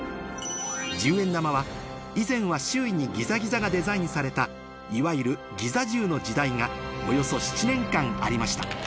１０円玉は以前は周囲にギザギザがデザインされたいわゆる「ギザ１０」の時代がおよそ７年間ありました